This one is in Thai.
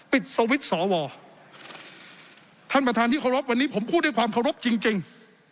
ปิดสวิตช์สอวอท่านประธานที่ขอรับวันนี้ผมพูดด้วยความขอรับจริงจริง